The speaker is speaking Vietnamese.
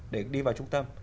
để đi vào trung tâm